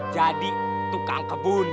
jadi tukang kebun